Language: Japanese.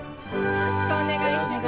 よろしくお願いします。